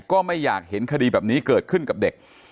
ก็ไม่อยากเห็นคดีแบบนี้เกิดขึ้นกับเด็ก